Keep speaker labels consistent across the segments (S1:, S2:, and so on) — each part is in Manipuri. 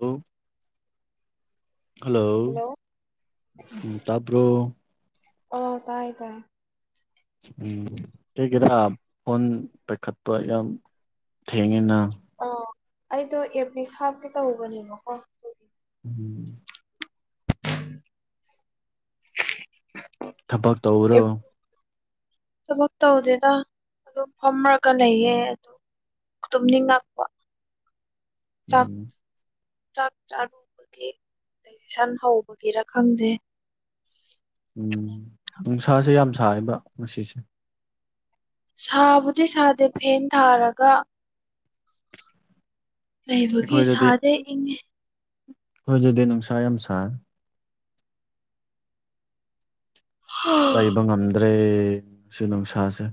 S1: ꯍꯜꯂ ꯍꯜꯂꯣ ꯎꯝ ꯇꯥꯕ꯭ꯔꯣ
S2: ꯑꯣ ꯇꯥꯏ ꯇꯥꯏ
S1: ꯎꯝ ꯀꯩꯒꯤꯔꯥ ꯐꯣꯟ ꯄꯥꯏꯈꯠꯄ ꯌꯥꯝ ꯊꯦꯡꯉꯤꯅ
S2: ꯑ ꯑꯩꯗꯣ ꯑꯦꯔꯄꯤꯁ ꯍꯥꯞꯀꯦ ꯇꯧꯕꯅꯦꯕꯀꯣ
S1: ꯎꯝ ꯊꯕꯛ ꯇꯧꯔꯣ
S2: ꯊꯕꯛ ꯇꯧꯗꯦꯗ ꯑꯗꯨꯝ ꯐꯝꯔꯒ ꯂꯩꯌꯦ ꯑꯗꯨꯝ ꯇꯨꯝꯅꯤꯡꯉꯥꯛꯄ ꯆꯥꯛ
S1: ꯎꯝ
S2: ꯆꯥꯛ ꯆꯥꯔꯨꯕꯒꯤ ꯗꯥꯏꯖ‌ꯦꯁꯟ ꯍꯧꯕꯒꯤꯔ ꯈꯪꯗ‌ꯦ
S1: ꯎꯝ ꯅꯨꯡꯁꯥꯁꯦ ꯌꯥꯝ ꯁꯥꯥꯏꯌꯦꯕ ꯉꯁꯤꯁꯦ
S2: ꯁꯥꯕꯨꯗꯤ ꯁꯥꯗꯦ ꯐꯦꯟ ꯊꯥꯔꯒ ꯂꯩꯕꯒꯤ ꯁꯥꯗ‌ꯦ ꯏꯪꯉꯦ
S1: ꯍꯣꯏꯗꯗꯤ ꯅꯨꯡꯁꯥ ꯌꯥꯝ ꯁꯥꯏ ꯂꯩꯕ ꯉꯝꯗ꯭ꯔꯦ ꯁꯤ ꯅꯨꯡꯁꯥꯁꯦ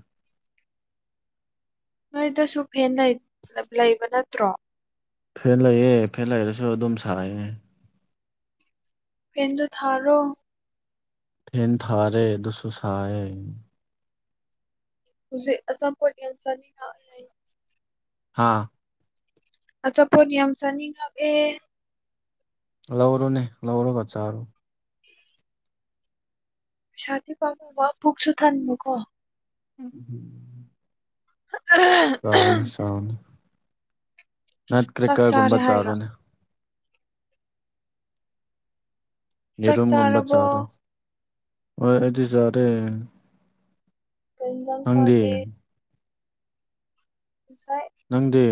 S2: ꯅꯣꯏꯗꯁꯨ ꯐꯦꯟ ꯂꯩ ꯂꯩꯕ ꯅꯠꯇ꯭ꯔꯣ
S1: ꯐꯦꯟ ꯂꯩꯌꯦ ꯐꯦꯟ ꯂꯩꯔꯁꯨ ꯑꯗꯨꯝ ꯁꯥꯏꯌ‌ꯦ
S2: ꯐ‌ꯦꯟꯗꯨ ꯊꯥꯔꯣ
S1: ꯐ‌ꯦꯟ ꯊꯥꯔꯦ ꯗꯨꯁꯨ ꯁꯥꯏꯑꯦ
S2: ꯍꯧꯖꯤꯛ ꯑꯆꯥꯄ‌ꯣꯠ ꯌꯥꯝ ꯆꯥꯅꯤꯡꯉꯛ
S1: ꯍꯥꯥ
S2: ꯑꯆꯥꯄꯣꯠ ꯌꯥꯝ ꯆꯥꯅꯤꯡꯉꯛꯑꯦ
S1: ꯂꯧꯔꯣꯅꯦ ꯂꯧꯔꯒ ꯆꯥꯔꯣ
S2: ꯄꯩꯁꯥꯗꯤ ꯄꯥꯝꯃꯨꯕ ꯄꯨꯛꯁꯨ ꯊꯟꯕꯀꯣ
S1: ꯎꯝ [unintelligible] ꯆꯥꯎꯅꯦ ꯆꯥꯎꯅꯦ ꯅꯠ
S2: ꯆꯥꯛ ꯆꯥꯔꯦ
S1: ꯀ꯭ꯔꯤꯀꯔꯒꯨꯝꯕ
S2: ꯍꯥꯏꯔꯣ
S1: ꯆꯥꯔꯨꯅꯦ
S2: ꯆꯥꯛ
S1: ꯌꯦꯦꯔꯣꯝꯒꯨꯝꯕ
S2: ꯆꯥꯔꯕꯣ
S1: ꯆꯔꯣ ꯑꯣ ꯑꯩꯗꯤ ꯆꯔꯦ
S2: ꯀꯩꯅꯖꯥꯡꯁꯒꯦ ꯑꯁꯥꯏ
S1: ꯅꯪꯗꯤ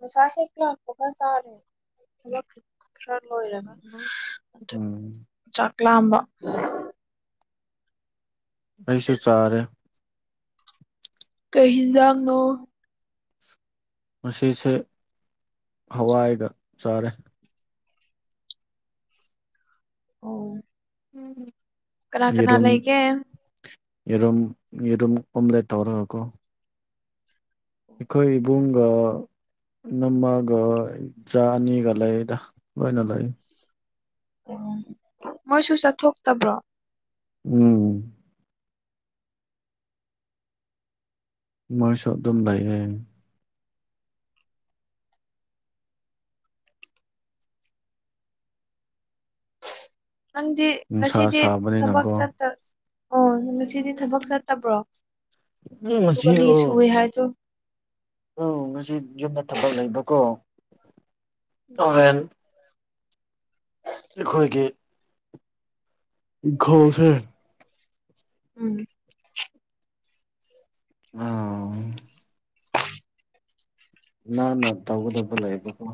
S2: ꯃꯁ ꯍ ꯀꯂ ꯄꯨꯒ ꯇꯥꯔꯦ ꯈꯔ ꯂꯣꯏꯔꯒ ꯑꯗꯨ
S1: ꯎꯝ
S2: ꯆꯥꯛ ꯂꯥꯝꯕ
S1: ꯑꯩꯁꯨ
S2: ꯑꯗꯨꯒꯤ
S1: ꯆꯥꯔꯦ
S2: ꯀꯩ ꯍꯤꯟꯖꯥꯡꯅꯣ
S1: ꯃꯁꯤꯁꯦ ꯍꯋꯥꯏꯒ ꯆꯥꯔꯦ
S2: ꯑꯣ ꯀꯅꯥ ꯀꯅꯥ
S1: ꯌꯦꯔꯝ
S2: ꯂꯩꯒꯦ
S1: ꯌꯦꯔꯝ ꯌꯦꯔꯨꯝ ꯀꯨꯝꯂ ꯇꯧꯔꯀ ꯑꯩꯈꯣꯏ ꯏꯕꯨꯡꯒ ꯅꯃꯒ ꯥꯅꯤꯒ ꯂꯩ ꯂꯣꯏꯅ ꯂꯩꯣꯏ
S2: ꯎꯝ ꯃꯣꯏꯁꯨ ꯆꯠꯊꯣꯛꯇꯕ꯭ꯔꯣ
S1: ꯎꯝ ꯃꯣꯏ ꯁ ꯑꯗꯨꯝ ꯂꯥꯏꯔꯦ
S2: ꯅꯪꯗꯤ
S1: ꯅꯨꯡꯁꯥ
S2: ꯉꯁꯤꯗꯤ ꯊꯕꯛ
S1: ꯁꯥꯕꯅꯤꯅꯀꯣ
S2: ꯆꯠꯇ ꯑꯣ ꯉꯁꯤꯗꯤ ꯊꯕꯛ ꯆꯠꯇꯕ꯭ꯔꯣ
S1: ꯉꯁꯤ
S2: ꯁꯨꯒꯂꯤ ꯁꯨꯑꯦ ꯍꯥꯏꯗꯣ
S1: ꯎ ꯉꯁꯤ ꯌꯨꯝꯗ ꯊꯕꯛ ꯂꯩꯕꯀꯣꯚꯦꯟ ꯑꯩꯈꯣꯏꯒꯤ ꯈꯣꯁꯦ
S2: ꯎꯝ
S1: ꯑ ꯅ ꯅ ꯇꯧꯒꯗꯕ ꯂꯩꯕꯀꯣ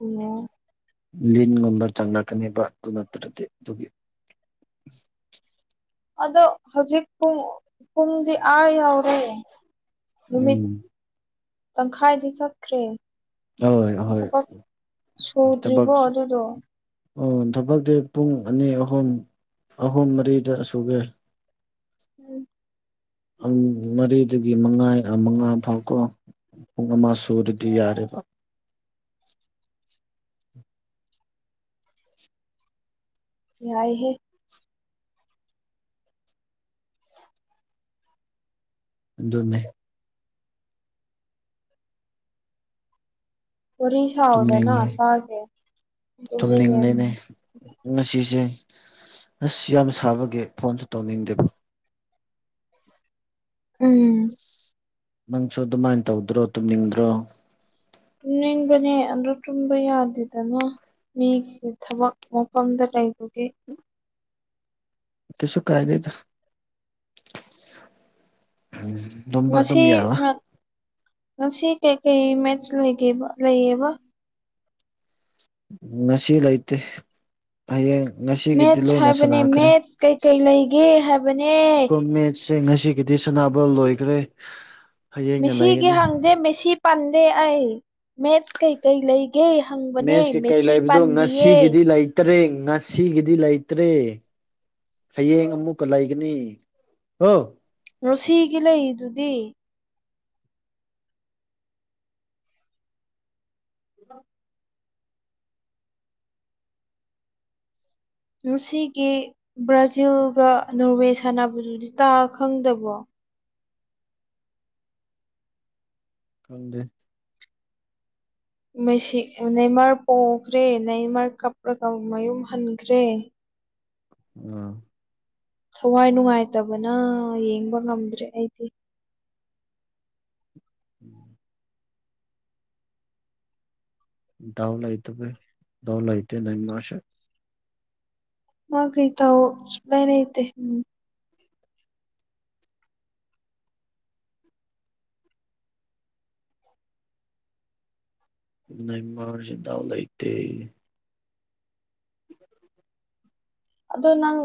S2: ꯑꯣ
S1: ꯂꯤꯟꯒꯨꯝꯕ ꯆꯪꯂꯛꯀꯅꯦꯕ ꯑꯗꯨ ꯅꯠꯇ꯭ꯔꯗꯤ ꯑꯗꯨꯒꯤ
S2: ꯑꯗꯣ ꯍꯧꯖꯤꯛ ꯄꯨꯡ ꯄꯨꯡꯗꯤ ꯑꯥ ꯌꯥꯎꯔꯦ ꯅꯨꯃꯤꯠ
S1: ꯎꯝ
S2: ꯇꯪꯈꯥꯏꯗꯤ ꯆꯠꯈ꯭ꯔꯦ
S1: ꯍꯣꯏ ꯍꯣꯏ
S2: ꯊꯕꯛ ꯁꯨꯗ꯭ꯔꯤꯕꯣ
S1: ꯊꯕꯛꯁꯨ
S2: ꯑꯗꯨꯗꯣ
S1: ꯑꯣ ꯊꯕꯛꯇꯤ ꯄꯨꯡ ꯑꯅꯤ ꯑꯍꯨꯝ ꯑꯍꯨꯝ ꯃꯔꯤꯗ ꯁꯨꯒꯦ
S2: ꯎꯝ
S1: ꯃꯔꯤꯗꯒꯤ ꯃꯉꯥ ꯃꯉꯥ ꯐꯥꯎꯀꯣ ꯄꯨꯡ ꯑꯃ ꯁꯨꯔꯗꯤ ꯌꯥꯔꯦꯕ
S2: ꯌꯥꯏ ꯍꯦ
S1: ꯑꯗꯨꯟꯅꯅꯦ
S2: ꯋꯥꯔꯤ
S1: ꯇꯨꯝꯅꯤꯡ
S2: ꯁꯥꯎꯗꯅ
S1: ꯂꯩ
S2: ꯇꯥꯒꯦ ꯇꯨꯝꯅꯤꯡꯉꯦ
S1: ꯇꯨꯝꯅꯤꯡꯂꯤꯅꯦ ꯉꯁꯤꯁꯦ ꯑꯁ ꯌꯥꯝ ꯁꯥꯕꯒꯦ ꯐꯣꯟꯁꯨ ꯇꯧꯅꯤꯡꯗꯦꯕ
S2: ꯎꯝ
S1: ꯅꯪꯁꯨ ꯑꯗꯨꯃꯥꯏꯅ ꯇꯧꯗ꯭ꯔꯣ ꯇꯨꯝꯅꯤꯡꯗ꯭ꯔꯣ
S2: ꯇꯅꯤꯡꯕꯅꯦ ꯑꯟ꯭ꯔꯣ ꯇꯨꯨꯝꯕ ꯌꯥꯗꯗꯅ ꯃꯤꯒꯤ ꯊꯕꯛ ꯃꯐꯝꯗ ꯂꯩꯕꯒꯤ
S1: ꯀꯁꯨ ꯀꯥꯏꯗꯦꯗ ꯇꯨꯝꯕ ꯑꯗꯨꯝ
S2: ꯉꯁꯤ
S1: ꯌꯥꯕ
S2: ꯉꯁꯤ ꯀꯩꯀꯩ ꯃꯦꯠꯁ ꯂꯩꯒꯦꯕ ꯂꯩꯌꯦꯕ
S1: ꯅꯁꯤ ꯂꯩꯇ ꯍꯌꯦꯡ ꯉꯁꯤꯒꯤꯗꯤ
S2: ꯃꯦꯠꯁ
S1: ꯂꯣꯏꯅ
S2: ꯍꯥꯏꯕꯅꯦ
S1: ꯁꯥꯟꯅꯈ꯭ꯔꯦ
S2: ꯃꯦꯠꯁ ꯀꯩꯀꯩ ꯂꯩꯒꯦ ꯍꯥꯏꯕꯅꯦ
S1: ꯦ ꯉꯁꯤꯒꯤꯗꯤ ꯁꯅꯥꯅꯕ ꯂꯣꯏꯈ꯭ꯔꯦ ꯍꯌꯦꯡꯅ
S2: ꯃꯤꯁꯤꯒꯤ
S1: ꯂꯩꯒꯅꯤ
S2: ꯍꯪꯗꯦ ꯃꯤꯁꯤ ꯄꯥꯟꯗꯦ ꯑꯩ ꯃꯦꯠꯁ ꯀꯩꯀꯩ ꯂꯩ ꯒꯦ ꯍꯪꯕꯅꯦ ꯃꯦꯁꯤ ꯄꯥꯟꯗꯤꯌꯦ
S1: ꯇ꯭ꯔꯦꯡ ꯉꯁꯤꯒꯤꯗꯤ ꯂꯩꯇ꯭ꯔꯦ ꯍꯌꯦꯡ ꯑꯃꯨꯛꯀ ꯂꯩꯒꯅꯤ ꯍꯣ
S2: ꯔꯣꯁꯤꯒꯤ ꯂꯩꯗꯨꯗꯤ
S1: ꯍꯣ
S2: ꯁꯤꯒꯤ ꯕ꯭ꯔꯥꯖꯤꯜꯒ ꯅꯣꯔꯋꯦ ꯁꯥꯟꯅꯕꯗꯨꯗꯤ ꯇꯥ ꯈꯪꯗꯕꯣ
S1: ꯀꯪꯗ
S2: ꯅꯩꯃꯔ ꯄꯣꯈ꯭ꯔꯦ ꯅꯩꯃꯔ ꯀꯞꯄꯒ ꯃꯌꯨꯝ ꯍꯟꯈ꯭ꯔꯦ
S1: ꯎꯝ
S2: ꯊꯋꯥꯏ ꯅꯨꯡꯉꯥꯏꯇꯕꯅ ꯌꯦꯡꯕ ꯉꯝꯗ꯭ꯔꯦ ꯑꯩꯗꯤ
S1: ꯎꯝ ꯗꯗꯥꯎꯂ ꯑꯇ ꯩ ꯗꯎꯂꯥꯏꯇ ꯅꯟ ꯃꯥꯁꯦ
S2: ꯃꯥꯒ ꯇ ꯃꯅꯦ ꯎꯝ
S1: ꯅꯃꯁꯤꯗꯥꯎ ꯂꯩꯇꯦ
S2: ꯑꯗꯣ ꯅꯪ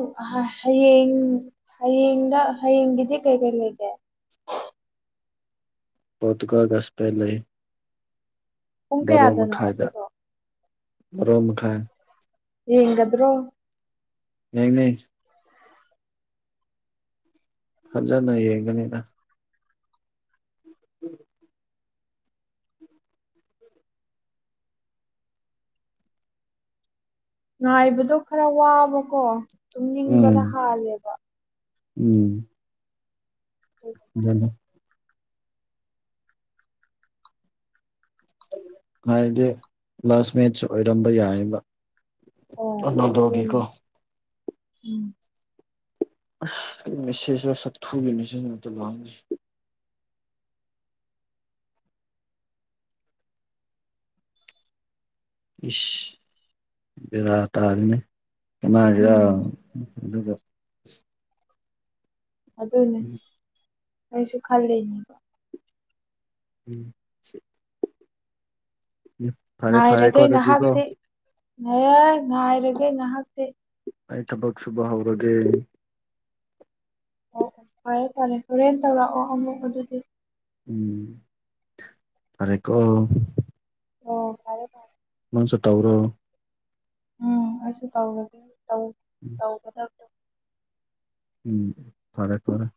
S2: ꯍꯌꯦꯡ ꯍꯌꯦꯡꯗ ꯍꯌꯦꯡꯒꯤꯗꯤ ꯀꯩ ꯀꯩ ꯂꯩꯒꯦ
S1: ꯄꯣꯠꯇꯀꯒꯁꯤꯄ ꯂꯩ
S2: ꯄꯨꯡ
S1: ꯕꯥꯣꯔꯣ
S2: ꯀꯌꯥꯗꯅꯣ
S1: ꯃꯈꯥꯏꯗ
S2: ꯑꯗꯨꯗꯣ
S1: ꯕꯣꯔꯣ ꯃꯈꯥꯏ
S2: ꯌꯦꯉꯗ꯭ꯔꯣ
S1: ꯍꯅꯦ ꯍꯖꯅ ꯌꯦꯡꯒꯅꯤꯅ ꯎꯝ
S2: ꯉꯥꯏꯕꯗꯣ ꯈꯔ ꯋꯥꯕꯀꯣ
S1: ꯎꯝ
S2: ꯇꯨꯝꯅꯤꯡꯕꯅ ꯍꯥꯜꯂꯦꯕ
S1: ꯎꯝ
S2: ꯎꯝ
S1: ꯑꯗꯨ ꯍꯥꯏꯗꯤ ꯀ꯭ꯂꯥꯁ ꯃꯦꯠꯆ ꯑꯣꯏꯔꯝꯕ ꯌꯥꯏꯕ
S2: ꯑꯣ
S1: ꯑꯅꯗꯒ ꯀꯣ
S2: ꯑꯗꯨꯅꯦ ꯎꯝ
S1: ꯑꯁ ꯃꯦꯁꯦꯖ ꯁꯥꯊꯨꯒꯤ ꯃꯦꯁꯦꯖ ꯑꯃꯗꯨ ꯋꯥꯉꯦ ꯏꯁ ꯕꯦꯔꯥ ꯇꯥꯔꯤꯅꯤ ꯀꯃꯥꯏꯒꯥ
S2: ꯎꯝ
S1: ꯑꯗꯨꯒ
S2: ꯑꯗꯨꯅꯦ ꯑꯩꯁꯨ ꯈꯜꯂꯤꯅꯦꯕ
S1: ꯎꯝ ꯎ ꯐꯔꯦ ꯐꯔꯦ ꯀꯗꯤꯕꯣ
S2: ꯉ ꯉꯅꯥꯥꯏꯔꯒꯦ ꯅꯍꯥꯛꯇꯦ
S1: ꯑꯩ ꯊꯕꯛ ꯁꯨꯕ ꯍꯧꯔꯒꯦ
S2: ꯑꯣ ꯑꯣ ꯐꯔꯦ ꯐꯔꯦ ꯍꯣꯔꯦꯟ ꯇꯧꯔꯛꯑꯣ ꯑꯃꯨꯛ ꯑꯗꯨꯗꯤ
S1: ꯎꯝ ꯐꯔꯦ ꯀꯣ
S2: ꯑꯣ ꯐꯔꯦ ꯐꯔꯦ
S1: ꯃꯣꯟ ꯁꯨ ꯇꯧꯔꯣ
S2: ꯎꯝ ꯑꯩꯁꯨ ꯇꯧꯔꯒꯦ ꯇꯧꯒꯦ
S1: ꯎꯝ
S2: ꯀ
S1: ꯎꯝ ꯐꯔꯦ ꯐꯔꯦ